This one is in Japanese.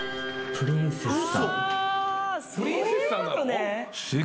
プリンセス？